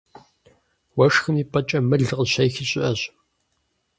Уэшхым и пӀэкӀэ мыл къыщехи щыӀэщ.